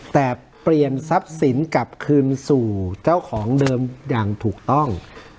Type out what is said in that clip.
แต่เปลี่ยนทรัพย์สินกลับคืนสู่เจ้าของเดิมอย่างถูกต้อง